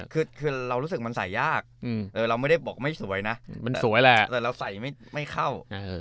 คือเรารู้สึกมันใส่ยากเราไม่ได้บอกไม่สวยนะมันสวยแหละแต่เราใส่ไม่เข้า